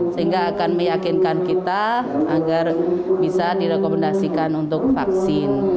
sehingga akan meyakinkan kita agar bisa direkomendasikan untuk vaksin